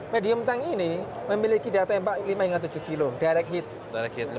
medium tank ini memiliki data lima tujuh kg direct hit